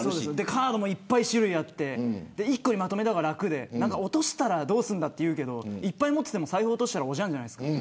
カードもたくさん種類があって１個にまとめた方が楽で落としたらどうするんだという話もありますがいっぱい持っていても財布を落としたらおじゃんじゃないですか。